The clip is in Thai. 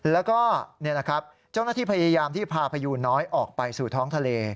แล้วก็นี่แหละครับเจ้าหน้าที่พยายามที่พาพยูนน้อยออกไปสู่ท้องทะเล